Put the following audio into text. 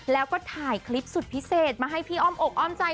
แล้วก็ถ่ายคลิปสุดพิเศษมาให้พี่อ้อมอกอ้อมใจ